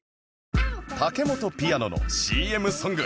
タケモトピアノの ＣＭ ソング